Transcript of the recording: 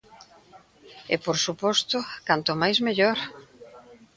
E, por suposto, canto máis mellor.